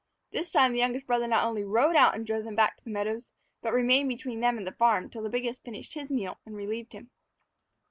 This time the youngest brother not only rode out and drove them back to the meadows, but remained between them and the farm till the biggest finished his meal and relieved him.